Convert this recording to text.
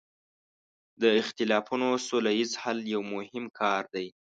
د اختلافونو سوله ییز حل یو مهم کار دی.